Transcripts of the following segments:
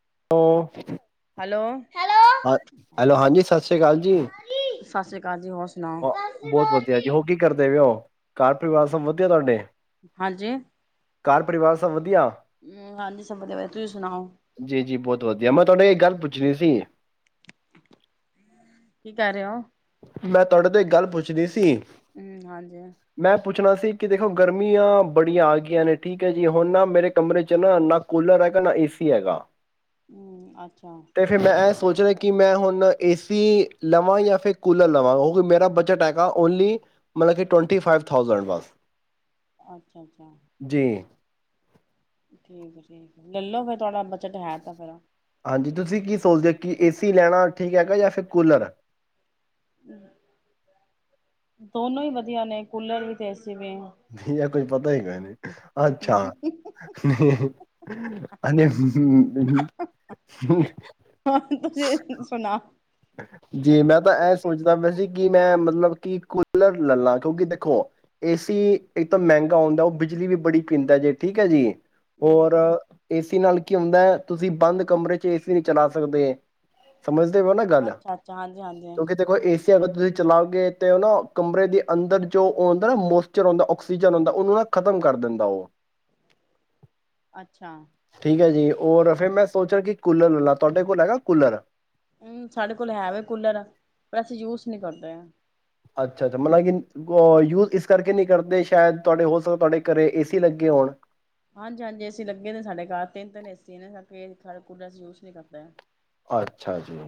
[inaudible] Hello. ਹਾਂ hello ਹਾਂਜੀ ਸਤਿ ਸ਼੍ਰੀ ਅਕਾਲ ਜੀ ਸਤਿ ਸ਼੍ਰੀ ਅਕਾਲ ਜੀ ਹੋਰ ਸੁਣਾਓ ਬਹੁਤ ਵਧੀਆ ਜੀ ਹੋ ਕੀ ਕਰਦੇ ਪਏ ਹੋ। ਘਰ। ਪਰਿਵਾਰ ਸਭ ਵਧੀਆ ਤੁਹਾਡੇ। ਹਾਂਜੀ ਘਰ ਪਰਿਵਾਰ ਸਭ ਵਧੀਆ। ਜੀ ਜੀ [unintelligible] ਬਹੁਤ ਵਧੀਆ ਮੈਂ ਤੁਹਾਨੂੰ ਇਕ ਗੱਲ ਪੁੱਛਣੀ ਸੀ। ਕੀ ਕਰ ਰਹੇ ਹੋ। ਮੈਂ ਤੁਹਾਡੇ ਤੋਂ ਇੱਕ ਗੱਲ ਪੁੱਛਣੀ ਸੀ ਹੂੰ ਹਾਂਜੀ। ਮੈਂ ਪੁੱਛਣਾ ਸੀ ਕਿ ਦੇਖੋ ਗਰਮੀਆਂ ਬੜੀਆਂ ਆ ਗਈਆਂ ਨੇ ਠੀਕ ਹੈ ਜੀ ਹੁਣ ਨਾ ਮੇਰੇ ਕਮਰੇ ਚ ਨਾ ਨਾ ਕੂਲਰ ਹੈਗਾ ਨਾ ਏ ਸੀ ਹੈਗਾ। ਤੇ ਫਿਰ ਮੈਂ ਇਹ [unintelligible] ਸੋਚ ਰਿਹਾ ਕਿ ਮੈਂ ਹੁਣ ਇਸ ਸੀ ਲਵਾਂ ਜਾਂ ਫਿਰ ਲਵਾਂਕਿ ਮੇਰਾ ਬਜਟ ਆਏਗਾ ਓਨਲੀ ਮਤਲਬ ਕਿ ਟਵੈਂਟੀ ਫਾਈਵ ਥਊਜੈਂਡ ਬਸ ਅੱਛਾ ਅੱਛਾ ਜੀ ਠੀਕ ਹੈ ਠੀਕ ਲੈਲੋ ਫੇਰ ਥਹਾਡਾ ਬਜਟ ਹੈ ਤਾਂ ਫੇਿਰ ਹਾਂਜੀ ਤੁਸੀਂ ਕੀ ਸੋਚਦੇ ਹੋ ਕਿ ਏਸੀ ਲੈਣਾ ਠੀਕ ਹੈਗਾ ਜਾਂ ਫਿਰ ਕੂਲਰ ਦੋਨੋ ਹੀ ਵਧੀਆ ਨੇ ਕੂਲਰ ਵੀ ਤੇ ਵੀ ਨਹੀਂ ਕੁੱਝ ਪਤਾ ਉ ਹੀ ਗਏ ਅੱਛਾ ਹ ਤੁਸੀਂ ਸੁਣਾ ਜੀ ਮੈਂ ਤਾਂ ਇਹ ਸੋਚਦਾ ਵੈ ਜ ਕਿ ਮੈਂ ਮ ਮਤਲਬ ਕਿ ਕੂਲਰ ਲੈ ਲਾਂ ਕਿਉਂਕਿ ਦੇਖੋ ਏਸੀ ਇੱਕ ਤਾਂ ਮਹਿੰਗਾ ਹਉਂਦਾ ਉਹ ਬਿਜਲੀ ਵੀ ਬੜੀ ਪੀਂਦਾ ਜੇ ਠੀਕ ਹੈ ਜੀ ਹੋਰ ਹਮ ਇਸ ਏ ਨਾਲ ਕੀ ਹੁੰਦਾ ਹੈ ਤੁਸੀਂ ਬੰਦ ਕਮਰੇ ਚ ਏ ਸੀ ਨਹੀਂ ਚਲਾ ਸਕਦੇ ਸਮਝਦੇ ਹੋ ਨਾ ਅੱਛਾ ਅੱਛਾ ਹਾਂਜੀ ਹਾਂਜੀ ਕਿ ਅਗਰ ਤੁਸੀਂ ਚਲਾਓਗੇ ਤਾਂ ਉਹ ਨਾ ਕਮਰੇ ਦੇ ਅੰਦਰ ਜੋ ਹੁੰਦਾ ਨਾ ਮੋਸਚਰ ਹੁੰਦਾ ਆਕਸੀਜਨ ਹੁੰਦਾ ਉਹਨੂੰ ਨਾ ਖ਼ਤਮ ਕਰ ਦਿੰਦਾ ਉਹ ਅੱਛਾ ਰ ਫਿਰ ਮੈਂ ਸੋਚਿਆ ਕਿ ਕੂਲਰ ਲੈ ਲਾ ਤੁਹਾਡੇ ਕੋਲ ਹੈਗਾ ਕੂਲਰ ਹਮ ਸਾਡੇ ਕੋਲ ਹੈ ਵ ਕੂਲਰ ਪਰ ਅਸੀਂ ਯੂਜ ਨਹੀਂ ਕਰਦੇ ਹ ਅੱਛਾ ਅੱਛਾ ਮਤਲਬ ਕਿ ਯੂਜ ਇਸ ਕਰਕੇ ਨਹੀਂ ਕਰਦੇ ਸ਼ਾਇਦ ਤੁਹਾਡੇ ਹੋ ਸਕ ਤੁਹਾਡੇ ਘਰੇ ਏਸੀ ਲੱਗੇ ਹੋਣ ਹਾਂਜੀ ਹਾਂਜੀ ਏਸੀ ਲੱਗੇ ਨੇ ਸਾਡੇ ਘਰ ਤਿੰਨ ਤਿੰਨ ਏਸੀ ਨੇ ਫ ਕੂਡੇ ਚ ਯੂਸ ਨੀ ਕਰਦਾ ਅੱਛਾ ਜੀ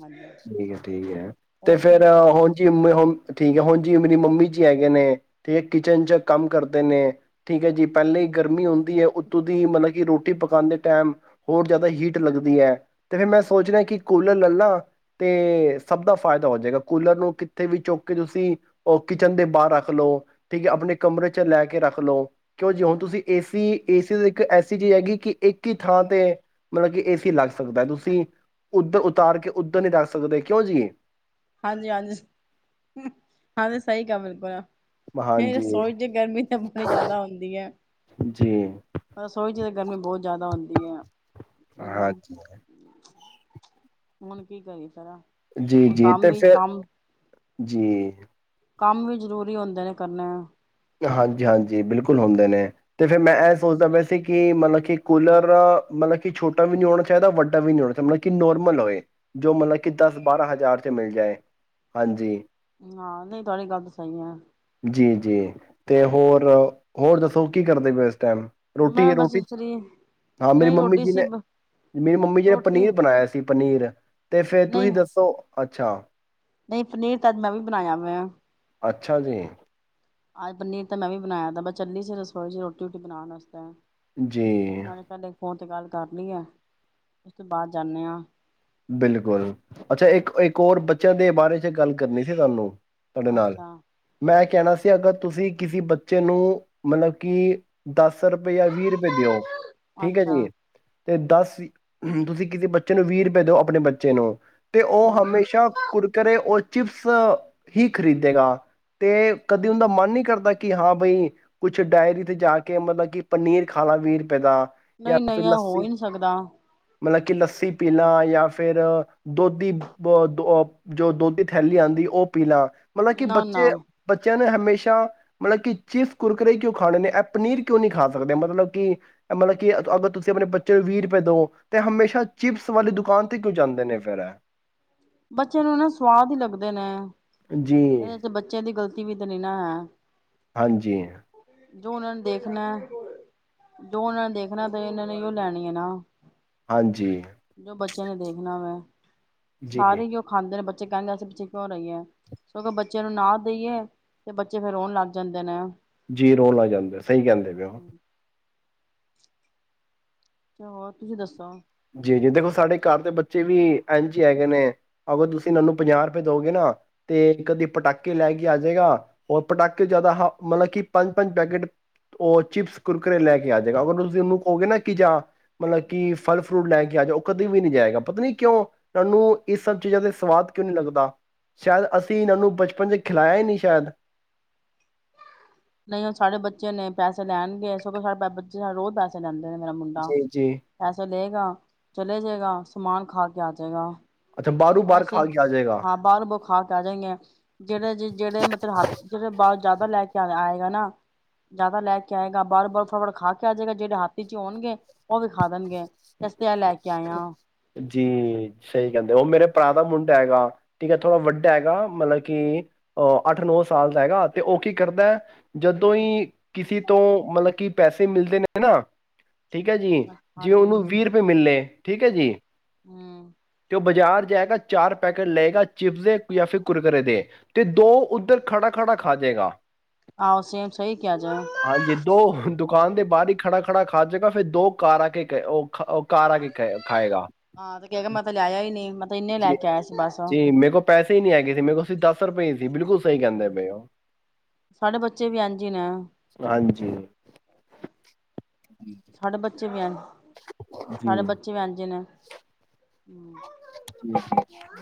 ਹਾਂਜੀ ਠੀਕ ਹੈ ਠੀਕ ਹੈ ਤੇ ਹੋਰ ਤੁਸੀਂ ਫੇਰ ਸੁਣਾਓ? ਹੁਣ ਜੀ ਹੁਣ ਠੀਕ ਹੈ ਹੁਣ ਜੀ ਮੇਰੀ ਮੰਮੀ ਜੀ ਹੈਗੇ ਨੇ ਠੀਕ ਹੈ ਕਿਚਨ ਚ ਕੰਮ ਕਰਦੇ ਨੇ ਠੀਕ ਹੈ ਜੀ ਪਹਿਲਾਂ ਹੀ ਗਰਮੀ ਹੁੰਦੀ ਹੈ ਉੱਤੋਂ ਦੀ ਮਤਲਬ ਕਿ ਰੋਟੀ ਪਕਾਉਣ ਦੇ ਟਾਈਮ ਹੋਰ ਜ਼ਿਆਦਾ ਹੀਟ ਲੱਗਦੀ ਹੈ ਤੇ ਫਿਰ ਮੈਂ ਸੋਚ ਰਿਹਾ ਕਿ ਕੂਲਰ ਲੈ ਲਾਂ ਤੇ ਸਭ ਦਾ ਫਾਇਦਾ ਹੋ ਜਾਏਗਾ ਕੂਲਰ ਨੂੰ ਕਿੱਥੇ ਵੀ ਚੁੱਕ ਕੇ ਤੁਸੀਂ ਉਹ ਕਿਚਨ ਦੇ ਬਾਹਰ ਰੱਖ ਲਓ ਠੀਕ ਹੈ ਆਪਣੇ ਕਮਰੇ ਚ ਲੈ ਕੇ ਰੱਖ ਲਓ ਕਿਉਂ ਜਿ ਹੁਣ ਤੁਸੀਂ ਏ ਸੀ ਏਸੀ ਇੱਕ ਐਸੀ ਚੀਜ਼ ਹੈਗੀ ਕਿ ਇੱਕ ਹੀ ਥਾਂ ਤੇ ਮਤਲਬ ਕਿ ਏ ਸੀ ਲੱਗ ਸਕਦਾ ਤੁਸੀਂ ਤੁਸੀਂ ਉੱਧਰ ਉਤਾਰ ਕੇ ਉੱਧਰ ਨਹੀਂੀ ਰੱਖ ਸਕਦੇ ਕਿਉਂ ਜੀਏ ਹਾਂਜੀ ਹਾਂਜੀ ਹਾਂਜੀ ਸਹੀ ਕਿਹਾ ਬਿਲਕੁਲ ਨਹੀਂ ਹਾਂਜੀ ਰਸੋਚ ਗਰਮੀ ਤਾਂ ਬਹੁਤ ਜ਼ਿਆਦਾ ਹੁੰਦੀ ਹੈ ਜੀ ਬਸੋਹੀ ਜੀ ਤੇ ਗਰਮੀ ਬਹੁਤ ਜ਼ਿਆਦਾ ਹੁੰਦੀ ਜਧਆ ਹਾਂਜੀ ਹੈ ਹੁਣ ਕੀ ਕਰੀ ਤਰਾ ਜੀ ਜੀ ਤੇ ਫਿਰ ਜੀ ਕੰਮ ਵੀ ਜਰੂਰੀ ਹੁੰਦੇ ਨੇ ਕਰਨੇ ਹਾਂਜੀ ਹਾਂਜੀ ਬਿਲਕੁਲ ਹੁੰਦੇ ਨੇ ਤੇ ਫਿਰ ਮੈਂ ਇਹ ਸੋਚਦਾ ਮੈਂ ਜਿੱਥੇ ਕਿ ਮਤਲਬ ਕਿ ਕੂਲਰ ਮਤਲਬ ਕਿ ਛੋਟਾ ਵੀ ਨਹੀਂ ਹੋਣਾ ਚਾਹੀਦਾ ਵੱਡਾ ਵੀ ਨਹੀਂ ਹੋਣਾ ਚਾਹੀਦਾ ਮਤਲਬ ਕਿ ਨੋਰਮਲ ਹੋਏ ਜੋ ਮਤਲਬ ਕਿ ਦਸ ਬਾਰਾਂ ਹਜ਼ਾਰ 'ਚ ਮਿਲ ਜਾਏ ਹਾਂਜੀ ਹਾਂ ਨਹੀਂ ਤੁਹਾਡੀ ਗੱਲ ਸਹੀ ਆ ਜੀ ਜੀ ਤੇ ਹੋਰ ਹੋਰ ਦੱਸੋ ਕੀ ਕਰਦੇ ਪ ਟਮ ਮੈਂ ਰੋਟੀ ਬਸ ਰੋਟੀ ਚ ਫਰੀ ਹਾਂ ਮੇਰੀ ਨਹੀਂ ਮੰਮੀ ਰੋਟੀ ਜੀ ਸੀ ਨੇ ਮੇਰੀ ਮੰਮੀ ਜੀ ਨੇ ਰੋਟੀ ਪਨੀਰ ਬਣਾਇਆ ਸੀ ਪਨੀਰ ਤੇ ਫੇਿਰ ਨਹੀਂ ਤੁਸੀਂ ਦੱਸੋ ਅੱਛਾ ਨਹੀਂ ਪਨੀਰ ਤਾਂ ਮੈਂ ਵੀ ਬਣਾਇਆ ਵਾ ਅੱਛਾ ਜੀ ਆਜ ਪਨੀਰ ਤਾਂ ਮੈਂ ਵੀ ਬਣਾਇਆ ਤ ਬ ਚੱਲੀ ਸੀ ਰਸੋਈ ਚ ਰੋਟੀ ਰੋਟੀ ਬਣਾ ਵਸਤੇ ਜੀ ਤੇ ਗੱਲ ਕਰ ਲਈ ਹੈ ਉਸ ਤੋਂ ਬਾਅਦ ਜਾਂਦੇ ਹਾਂ ਬਿਲਕੁਲ ਅੱਛਾ ਇੱਕ ਇੱਕ ਹੋਰ ਬੱਚਿਆਂ ਦੇ ਬਾਰੇ ਚ ਗੱਲ ਕਰਨੀ ਸੀ ਤੁਹਾਨੂੰ ਤੁਹਾਡੇ ਨਾਲ ਮੈਂ ਕਹਿਣਾ ਅਗਰ ਤੁਸੀਂ ਕਿਸੇ ਬੱਚੇ ਨੂੰ ਮਤਲਬ ਕਿ ਦੱਸ ਰੁਪਏ ਜਾਂ ਵੀਹ ਰੁਪਏ ਦਿਓ ਠੀਕ ਹੈ ਅੱਛਾ-ਅੱਛਾ ਜੀ ਅਤੇ ਦਸ ਤੁਸੀਂ ਕਿਸੇ ਬੱਚੇ ਨੂੰ ਵੀਰ ਭ ਦਿੋ ਆਪਣੇ ਬੱਚੇ ਨੂੰ ਤੇ ਉਹ ਹੂੰ ਹਮੇਸ਼ਾ ਕੁਰਕਰੇ ਉਹ ਚਿਪਸ ਹੀ ਖਰੀਦੇਗਾ ਤੇ ਕਦੇ ਉਹਦਾ ਮਨ ਨਹੀਂ ਕਰਦਾ ਕਿ ਹਾਂ ਬਈ ਕੁਛ ਡਾਇਰੀ ਤੇ ਜਾ ਕੇ ਮਤਲਬ ਕਿ ਪਨੀਰ ਖਾ ਲਾ ਵੀਹ ਰੁਪਏ ਦਾ ਜਾਂ ਨਹੀਂ ਫਿਰ ਨਹੀਂ ਇਹ ਲੱਸੀ ਹੋ ਹੀ ਨਹੀਂ ਸਕਦਾ ਮਤਲਬ ਕਿ ਲੱਸੀ ਪੀਲਾਾਂ ਜਾਂ ਫੇਿਰ ਦੁੱਧ ਅਹਹ ਜੋ ਦੁੱਧ ਦੀ ਥੈਲੀ ਆਉਂਦੀ ਉਹ ਪੀਲਾਾਂ ਮਤਲਬ ਕਿ ਬੱਚੇ ਨਾ-ਨਾ ਬੱਚਿਆਂ ਨੇ ਹਮੇਸ਼ਾ ਮਤਲਬ ਕਿ ਚਿਪਸ ਕੁਰਕਰੇ ਕਿਉਂ ਖਾਣੇ ਨੇ ਇਹ ਪਨੀਰ ਕਿਉਂ ਨਹੀਂੀ ਖਾ ਸਕਦੇ ਮਤਲਬ ਕਿ ਮਤਲਬ ਕਿ ਅਗਰ ਤੁਸੀਂ ਆਪਣੇ ਬੱਚੇ ਨੂੰ ਵੀਹ ਰੁਪਏ ਦਓ ਤੇ ਹਮੇਸ਼ਾ ਚਿਪਸ ਵਾਲੇੁ ਦੁਕਾਂ ਤੇ ਕਿਉਂ ਜਾਂਦੇ ਨੇ ਫੇਰ ਬੱਚੇ ਨੂੰ ਨਾ ਸਵਾਦ ਹੀ ਲੱਗਦੇ ਨੇ ਜੀ ਇਹਦੇ ਚ ਬੱਚੇ ਦੀ ਗ਼ਲਤੀ ਵੀ ਤੇ ਨ ਨਾ ਹੈ ਹਾਂਜੀ ਜੋ ਉਹਨਾਂ ਨੇ ਦੇਖਣਾ ਜੋ ਉਹਨਾਂ ਨੇ ਦੇਖਣਾ ਤਾਂ ਇਹਨਾਂ ਨੇ ਉਹ ਲੈਣੀ ਹੈ ਨਾ ਹਾਂਜੀ ਜੋ ਬੱਚਿਆਂ ਨੇ ਦੇਖਣਾ ਮੈਂ ਜੀ ਸਾਰੇ ਹੀ ਉਹ ਖਾਂਦੇ ਨੇ ਬੱਚ ਬੱਚੇ ਕਹਿੰਦੇ ਅਸੀ ਪਿੱਛੇ ਕਿਉਂ ਰਹੀ ਹੈ ਸਕ ਬੱਚੇ ਨੂੰ ਨਾ ਦੇਈਏ ਤੇ ਬੱਚੇ ਫੇਰ ਰੋਣ ਲੱਗ ਜਾਂਦੇ ਨੇ ਜੀ ਰੋ ਲ ਆ ਜਾਂਦੇ ਸਹੀ ਕਹਿੰਦੇ ਪਓ ਦੱਸਾ ਜੀ ਜੀ ਦੇਖੋ ਸਾਡੇ ਘਰ ਦੇ ਬੱਚੇ ਵੀ ਇਝ ਹੀ ਹੈਗੇ ਨੇ ਅਗਰ ਤੁਸੀਂ ਇਹਾਨ ਨੂੰ ਪੰਜਾਹ ਰੁਪਏ ਦਓਗੇ ਨਾ ਤੇ ਕਦੇ ਪਟਾਕੇ ਲੈ ਕੇ ਆ ਜਾਏਗਾ ਰ ਪਟਾਕੇ ਜਿਆਦਾ ਹ ਮਤਲਬ ਕਿ ਪੰਜ ਪੰਜ ਪੈਕੇਟ ਉਹ ਚਿਪਸ ਕੁਰਕਰੇ ਲੈ ਕੇ ਆ ਜਾਏਗਾ ਅਗਰ ਤੁਸੀਂ ਉਹਨੂੰ ਕਹੋਗੇ ਨਾ ਕਿ ਜਾਂ ਮਤਲਬ ਕਿ ਫਲ ਫਰੂਟ ਲੈ ਕੇ ਆ ਜਾਓ ਕਦੇ ਵੀ ਨਹੀਂੀ ਜਾਏਗਾ ਪਤਾ ਨੀ ਕਿਉਂ ਇਹਾਨੂੰ ਇਸ ਸਭ ਚੀਜ਼ਾਂ ਦੇ ਸਵਾਦ ਕਿਉਂ ਨਹੀਂੀ ਲੱਗਦਾ ਸ਼ਾਇਦ ਅਸੀਂ ਇਹਾਨੂੰ ਬਚਪਨ ਚ ਖਿਲਾਇਆ ਹੀ ਨਹੀਂੀ ਸ਼ਾਇਦ ਨਹੀਂੁਣ ਸਾਡੇ ਬੱਚੇ ਨੇ ਪੈਸੇ ਲੈਣਗੇ ਸਗ ਸਾੇ ਬੱਚੇ ਰੋਜ਼ ਪੈਸੇ ਲੈਂਦੇ ਮੇਰਾ ਮੁੰਡਾ ਜੀ ਜੀ ਪੈਸਾ ਲਏਗਾ ਚ ਲੈ ਜਾਏਗਾ ਸਮਾਨ ਖਾ ਕੇ ਆ ਜਾਏਗਾ ਅੱਛਾ ਬਾਹਰੋਂ ਹੁਣ ਬਾਹਰ ਅਸੀਂ ਖਾ ਕੇ ਆ ਜਾਏਗਾ ਹਾਂ ਬਾਹਰੋਂ ਬੁ ਖਾ ਕੇ ਆ ਜਾਏਗੇ ਆ ਜਿਹੜੇ ਜ ਜਿਹੜੇ ਮਤਲਬ ਹੱਥ ਜਿਹੜੇ ਬਾਹਰ ਜ਼ਿਆਦਾ ਲੈ ਕੇ ਆਏਗਾ ਨਾ ਜ਼ਿਆਦਾ ਲੈ ਕੇ ਆਏਗਾ ਬਾਰ ਬਾਰ ਫਟਾਫਟ ਖਾ ਕੇ ਆ ਜਾਏਗਾ ਜਿਹੜੇ ਹਾਥੀ ਚ ਹੋਣਗੇ ਉਹ ਵੀ ਖਾ ਦੇਣਗੇ ਕਸਤਿਆ ਲੈ ਕੇ ਆਇਆ ਜੀ ਸਹੀ ਕਹਿੰਦੇ ਉਹ ਮੇਰੇ ਭਰਾ ਦਾ ਮੁੰਡਾ ਹੈਗਾ ਠੀਕ ਹੈ ਥੋੜ੍ਹਾ ਵੱਡਾ ਹੈਗਾ ਮਤਲਬ ਕਿ ਅਹ ਅੱਠ ਨੋ ਸਾਲ ਦਾ ਹੈਗਾ ਤੇ ਉਹ ਕੀ ਕਰਦਾ ਹੈ ਜਦੋਂ ਹੀ ਕਿਸੇ ਤੋਂ ਮਤਲਬ ਕਿ ਪੈਸੇ ਮਿਲਦੇ ਨੇ ਨਾ ਠੀਕ ਹੈ ਜੀ ਜੇ ਹਾਂਜੀ ਉਹਨੂੰ ਵੀਹ ਰੁਪਏ ਮਿਲਲੇ ਠੀਕ ਹੈ ਜੀ ਹੂੰ ਤੇ ਉਹ ਬਾਜ਼ਾਰ ਜਾਏਗਾ ਚਾਰ ਪੈਕੇਟ ਲਏਗਾ ਚਿਪਸ ਜਾਂ ਫਿਰ ਕੁੁਰਕੁੁਰਰੇ ਦੇ ਤੇ ਦੋ ਉੱਧਰ ਖੜਾ ਖੜਾ ਖਾ ਜਾੇਗਾ ਆਹੋ ਸੇਮ ਸਹੀ ਕਿਹਾ ਜੇ ਹਾਂਜੀ ਦੋ ਦੁਕਾਨ ਦੇ ਬਾਹਰ ਹੀ ਖੜਾ ਖੜਾ ਖਾ ਜਗਾ ਫੇਿਰ ਦੋ ਕਾਰ ਆ ਕੇ ਕ ਉਹ ਉਹ ਕਾਰ ਆ ਕੇ ਹਾਂ ਤੇ ਕਹਿ ਕੇ ਮੈਂ ਤੇ ਲੈਆਈ ਨਹੀਂ ਮੈਂ ਇਨੇ ਲੈ ਜੀ। ਕੇ ਆਇਆ ਸੀ ਬਸ ਜੀ ਮੇਰੇ ਕੋਲ ਪੈਸੇ ਨਹੀਂੀ ਹੈਗੇ ਸੀ ਮੇ ਕੋਲਸੀ ਦ ਰੁਪਏ ਸੀ ਬਿਲਕੁਲ ਸਹੀ ਕਹਿੰਦੇ ਪਏ ਹੋ ਸਾਡੇ ਬੱਚੇ ਵੀ ਇੰਝ ਹੀ ਨੇ ਹਾਂਜੀ ਚੁਵੇਿਆਨ ਸਾਡੇ ਜੀ ਬੱਚੇ ਵੈਝੇ ਨੇ ਆਾਂ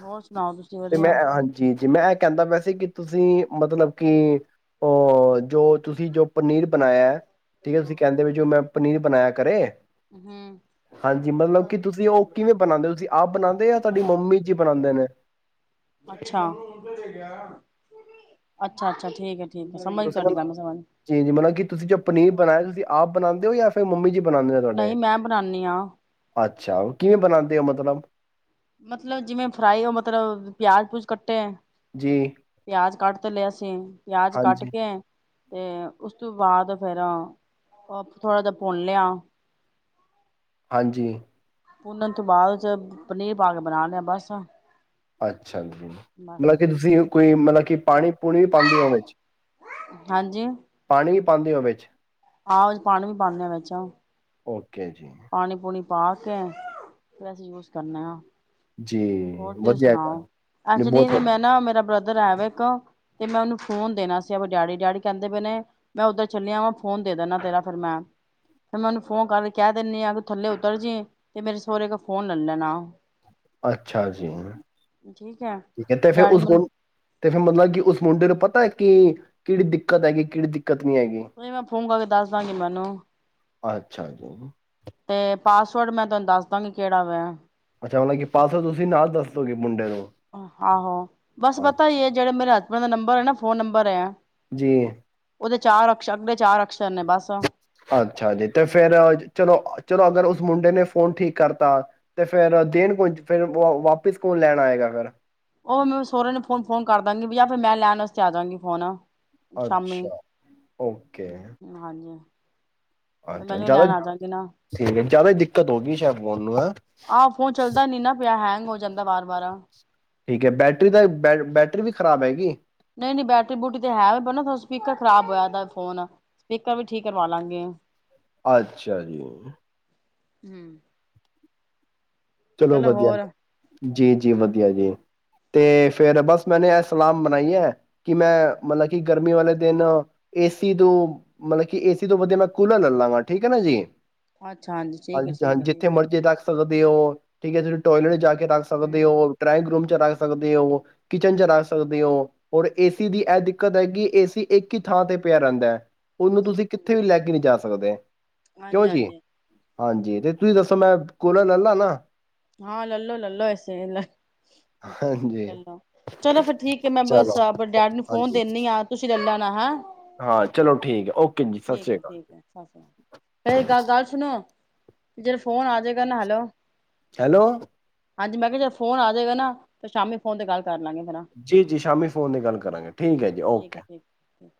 ਹੋਰ ਸੁਣਾਓ ਤੁਸੀਂ ਤੇ ਮੈਂ ਵਧੀਆ? ਹਾਂਜੀ ਜੀ ਮੈਂ ਇਹ ਕਹਿੰਦਾ ਵੈਸੇ ਕਿ ਤੁਸੀਂ ਮਤਲਬ ਕਿ ਅਹ ਜੋ ਤੁਸੀਂ ਜੋ ਪਨੀਰ ਬਣਾਇਆ ਠੀਕ ਹੈ ਤੁਸੀਂ ਕਹਿੰਦੇ ਵੀ ਜੋ ਮੈਂ ਪਨੀਰ ਬਣਾਇਆ ਕਰੇ। ਹੂੰ। ਹਾਂਜੀ ਮਤਲਬ ਕਿ ਤੁਸੀਂ ਉਹ ਕਿਵੇਂ ਬਣਾਂਦੇ ਹੋ ਤੁਂ ਅੱਛਾ। ਅੱਛਾ-ਅੱਛਾ ਠੀਕ ਹੈ। ਤੁਸੀਂ ਮਤਲ ਜ ਜ ਮਤਲਬ ਕੀ ਤੁਸੀਂ ਜੋ ਪਨੀਰ ਬਣਾਇਆ ਤੁਸੀਂ ਆਪ ਬਣਾਨਦੇ ਜਾਂ ਫਿਰ ਮੰਮੀ ਜੀ ਬਣਾਉਂਦੇ ਨੇ ਤੁਹਾਡੇ ਨਹੀਂ ਮੈਂ ਬਣਾਨਨੀ ਹਾਂ। ਅੱਛਾ ਉਹ ਕਿਵੇਂ ਬਣਾਨਦੇ ਹੋ ਮਤਲਬ? ਮਤਲਬ ਜਿਵੇਂ ਫਰਾਈ ਹੋ ਮਤਲਬ ਪਿਆਜ ਪਊਜ ਕੱਟੇ। ਜੀ ਪਿਆਜ ਕੱਟ ਲਿਆ ਸੀ ਪਿਆਜ ਕੱਟ ਹਾਂਜੀ ਕੇ ਤੇ ਉਸ ਤੋਂ ਬਾਅਦ ਫੇਰ ਥੋੜ੍ਹਾ ਜਿਹਾ ਭੁੰਨ ਲਿਆ। ਹਾਂਜੀ। ਭੁੰਨਣ ਤੋਂ ਬਾਅਦ ਚ ਪਨੀਰ ਪਾ ਕੇ ਬਣਾ ਲਿਆ ਬਸ। ਅੱਛਾ ਜੀ ਬਸ ਮਤਲਬ ਕਿ ਤੁਸੀਂ ਕੋਈ ਮਤਲ ਪਾਣੀ ਪੂਣੀ ਵੀ ਪਾਂਦੇ ਓ ਵਿਚ। ਹਾਂਜੀ ਪਾਂਦੇ ਹੋ ਵਿੱਚ। ਆਹੋ ਪਾਣੀ ਵੀ ਪਾਂਦੇ ਆ ਵਿੱਚ। ਓਕੇ ਜੀ। ਪਾਣੀ ਪੂਣੀ ਪਾ ਕੇ ਫ ਅਸੀਂ ਯੂਜ ਕਨੇ ਆ। ਜੀ ਹੋਰ ਤੁਸੀਂ ਵਧੀਆ ਗੱਲ ਸੁਣਾਓ ਨਹੀਂ ਐਕਚਲੀ ਬਹੁਤ ਮੈਂ ਨਾ ਮੇਰਾ ਬ੍ਰਦਰ ਐ ਵ ਇੱਕ ਤੇ ਮੈਂ ਉਹਨੂੰ ਫੋਨ ਦੇਣਾ ਸੀ ਆਪ ਡੈਡੀ, ਡੈਡੀ ਕਹਿੰਦੇ ਪੇ ਨੇ, ਮੈਂ ਉਓਧਰ ਚੱਲਿਆ ਵਾ ਫੋਨ ਦੇ ਦਿੰਦਾ ਤੇਰਾ ਫੇਰ ਮੈਂ, ਫਿਰ ਮੈਂ ਉਹਨੂੰ ਫੋਨ ਕਰ ਕਹਿ ਦਿੰਦੀ ਅਗ ਥੱਲੇ ਉਤਰ ਜਈ ਤੇ ਮੇਰੇ ਸਹੁਰ ਕੋ ਫੋਨ ਲੈ ਲੈਣਾ। ਅੱਛਾ ਜੀ ਠੀਕ ਹੈ ਤੇ ਫਿਰ ਡੈਡੀ ਉਸ ਮੈਨੂੰ ਮੁ ਤੇ ਫਿਰ ਮਤਲਬ ਕਿ ਉਸ ਮੁੰਡੇ ਨੂੰ ਪਤਾ ਹੈ ਕ ਕਿ ਕਿਹੜੀ ਦਿੱਕਤ ਹੈਗੀ ਕਿਹੜੀ ਦਿਕ ਉ ਮੈਂ ਫੋਨ ਕਰਕੇ ਦੱਸ ਦਾਂਗੀ ਮੈਨੂੰ। ਅੱਛਾ ਜੀ। ਤੇ ਪਾਸਵਰਡ ਮੈਂ ਤੁਹਾਨੂੰ ਦੱਸ ਦਾਂਗੀ ਕਿਹੜਾ ਵ। ਅੱਛਾ ਮਤਲਬ ਕਿ ਪਾਸਵਰਡ ਤੁਸੀਂ ਨਾਲ ਦੱਸੋਗੇ ਮੁੰਡੇ ਨੂੰ। ਆਹੋ ਬਸ ਅੱ ਪਤਾ ਹੀ ਹੈ ਜਿਹੜੇ ਮੇਰੇ ਹਸਬੈਂਡ ਦਾ ਨੰਬਰ ਹੈ ਨਾ ਫ਼ੋਨ ਨੰਬਰ ਹੈ। ਜੀ। ਉਹਦੇ ਚਾਰ ਅਕਸ਼ ਅਗਲੇ ਚਾਰ ਅਕਸ਼ਰ ਨੇ ਬਸ। ਅੱਛਾ ਜੀ ਤੇ ਫਿਰ ਚਲੋ ਚਲੋ ਅਗਰ ਉਸ ਮੁੰਡੇ ਨੇ ਫੋਨ ਠੀਕ ਕਰਤਾ ਤੇ ਫੇਰ ਦੇਣ ਕੁ ਫਿਰ ਵਾਪਿਸ ਕੌਣ ਲੈਣ ਆਏਗਾ ਫਿਰ? ਉਹ ਮੈ ਸਹਰੇ ਨੂੰ ਫੋਨ ਫੋਨ ਕਰ ਦਾਂਗੀ ਵੀ ਯਾ ਫਿਰ ਮੈਂ ਲੈਣ ਵਾਸਤੇ ਆ ਜਾਗੀ ਫੋਨ। ਸ਼ਾਮੀ ਅੱਛਾ ਓਕੇ ਹਾਂਜੀ। ਤੇ ਅੱਛਾ ਮੈਨੂੰ ਜਿਆਦਾ ਲੈਣ ਆ ਜਾਗੇ ਨਾ ਠੀਕ ਹੈ, ਜਿਆਦਾ ਦਿੱਕਤ ਹੋ ਗਈ ਸ਼ਾਇਦ। ਫੋਨ ਨੂੰ ਹਾਂ। ਆਹੋ ਫੋਨ ਚੱਲਦਾ ਨੀ ਨਾ ਪਿਆ ਹੈਂਗ ਹੋ ਜਾਂਦਾ ਵਾਰ ਵਾਰ ਠੀਕ ਹੈ ਬੈਟਰੀ ਦਾ ਬ ਬੈਟਰੀ ਵੀ ਖਰਾਬ ਹੈਗੀ ਨਹੀਂ ਨਹੀਂ ਬੈਟਰੀ ਬੂਟਰੀ ਤੇ ਹੈ ਵੀ ਬ ਸਪੀਕਰ ਖ਼ਰਾਬ ਹੋਇਆ ਫੋਨ ਸਪੀਕਰ ਵੀ ਠੀਕ ਕਰਵਾ ਲਾਂਗੇ ਅੱਛਾ ਜੀ ਹਮ ਚਲੋ ਵਧੀਆ ਜੀ ਜੀ ਵਧੀਆ ਜੀ ਤੇ ਫੇਿਰ ਬਸ ਮੈਨੇ ਇਹ ਸਲਾਮ ਬਣਾਈ ਹੈ ਕਿ ਮੈਂ ਮਤਲਬ ਕਿ ਗਰਮੀ ਵਾਲੇ ਦਿਨ ਏਸੀ ਤੋਂ ਮਤਲਬ ਕਿ ਏਸੀ ਤੋਂ ਵਧੀਆ ਮੈਂ ਕੂਲਰ ਲੈ ਲਾਂਗਾ ਠੀਕ ਹੈ ਨਾ ਜੀ ਅੱਛਾ ਠੀਕ ਹੈ ਹਾਂਜੀ ਠੀਕ ਹਾਂਜੀ ਹੈ ਠੀਕ ਜਿੱਥੇ ਹੈ ਮਰਜ਼ੀ ਰੱਖ ਸਕਦੇ ਹੋ ਠੀਕ ਤੁ ਫਿਰ ਟੋਇਲੇਟ ਜਾ ਕੇ ਰੱਖ ਸਕਦੇ ਹੂੰ ਉਹ ਡਰਾਇੰਗ ਰੂਮ ਚ ਰੱਖ ਸਕਦੇ ਹੋ ਕਿਚਨ ਚ ਰੱਖ ਸਕਦੇ ਹੋ ਔਰ ਏਸੀ ਦੀ ਇਹ ਦਿੱਕਤ ਹੈ ਕਿ ਏਸੀ ਇੱਕ ਹੀ ਥਾਂ ਤੇ ਪਿਆ ਰਹਿੰਦਾ ਹੈ ਉਹਨੂੰ ਤੁਸੀਂ ਕਿੱਥੇ ਵੀ ਲੈ ਕੇ ਨਹੀਂੀ ਜਾ ਸਕ ਸਕਦੇ ਕਿਉਂ ਹਾਂਜੀ ਜੀ ਹਾਂਜੀ ਹਾਂਜੀ ਤੇ ਤੁਸੀਂ ਦੱਸੋ ਮੈਂ ਕੋਲਾ ਲੈ ਲਾ ਨਾ ਹਾਂ ਲਲੋ ਲੈਲੋ ਐਸੇ ਹਾਂਜੀ ਲੈੋ ਚਲੋ ਫਿਰ ਠੀਕ ਹੈ ਮੈਂ ਬ ਚਲੋ ਆਪ ਡੈਡੀ ਨੂੰ ਫੋਨ ਹਾਂਜੀ ਦਿੰਦੀ ਆਾਂ ਤੁਸੀਂ ਲੈ ਲਾਂ ਸੁ ਹਾਂ ਚਲੋ ਠੀਕ ਹੈ ਓਕੇ ਜੀ ਸਤਿ ਸ੍ਰੀ ਹੈ ਅਕਾਲ ਠੀਕ ਹੈ ਸਤਿ ਜੀ ਜਦ ਫੋਨ ਆਜੇਗਾ ਨਾ ਹੈਲੋ ਹੈਲੋ ਹਾਂਜੀ ਮੈਂ ਕਿਹਾ ਜ ਫੋਨ ਆ ਜਾਵੇਗਾ ਨਾ ਤੇ ਸ਼ਾਮੀ ਫੋਨ ਤੇ ਗੱਲ ਕਰ ਲਾਂਗੇ ਫਿਰ ਜੀ ਜੀ ਸ਼ਾਮੀ ਫੋਨ ਦੀ ਗੱਲ ਕਰਾਂਗੇ ਠੀਕ ਹੈ ਜੀ ਓਕੇ ਹੈ ਠੀਕ